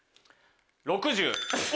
６０。